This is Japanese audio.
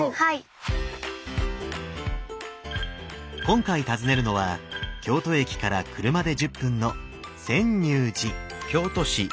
今回訪ねるのは京都駅から車で１０分の泉涌寺。